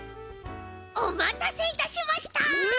おまたせいたしました！